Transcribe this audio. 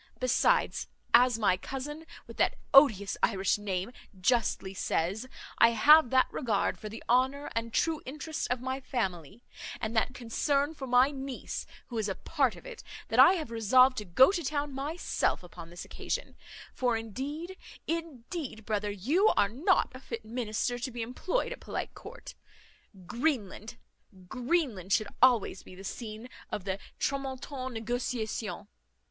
Besides, as my cousin, with that odious Irish name, justly says, I have that regard for the honour and true interest of my family, and that concern for my niece, who is a part of it, that I have resolved to go to town myself upon this occasion; for indeed, indeed, brother, you are not a fit minister to be employed at a polite court. Greenland Greenland should always be the scene of the tramontane negociation."